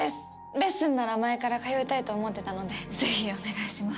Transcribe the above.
レッスンなら前から通いたいと思ってたのでぜひお願いします